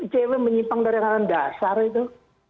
cewek menyimpang dari kanan dasar itu